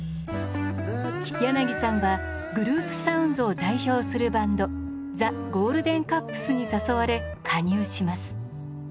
柳さんはグループサウンズを代表するバンド「ザ・ゴールデン・カップス」に誘われ加入します。